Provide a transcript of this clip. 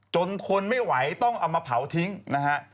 ทนไม่ไหวต้องเอามาเผาทิ้งนะฮะ